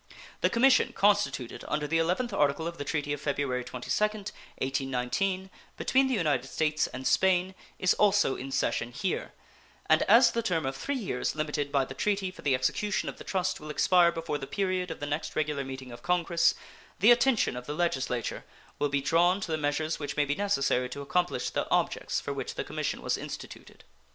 The commission constituted under the 11th article of the treaty of February 22nd, 1819, between the United States and Spain is also in session here, and as the term of three years limited by the treaty for the execution of the trust will expire before the period of the next regular meeting of Congress, the attention of the Legislature will be drawn to the measures which may be necessary to accomplish the objects for which the commission was instituted.